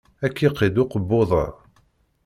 Ad k-iqidd ukebbuḍ-a.